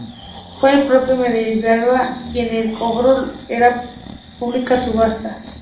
Fue el propio Mendizábal quien lo compró en pública subasta.